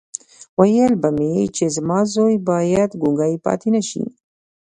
ويل به مې چې زما زوی بايد ګونګی پاتې نه شي.